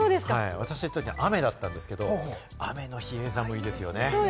私の時は雨だったんですけど、雨の比叡山もいいですよね。